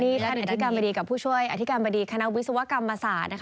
นี่ท่านอธิการบดีกับผู้ช่วยอธิการบดีคณะวิศวกรรมศาสตร์